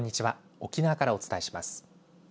沖縄からお伝えします。